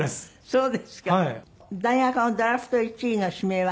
そうですね。